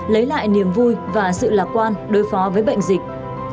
lấy lại niềm vui và sự lạc quan đối phó với bệnh dịch